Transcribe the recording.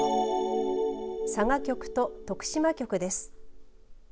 佐賀局と徳島局です。